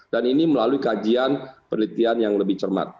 dan ini melalui kajian penelitian yang lebih cermat